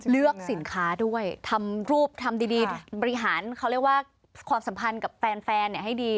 เลือกสินค้าด้วยทำรูปทำดีบริหารเขาเรียกว่าความสัมพันธ์กับแฟนให้ดี